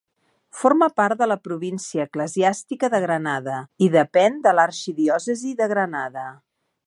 Forma part de la província eclesiàstica de Granada, i depèn de l'arxidiòcesi de Granada.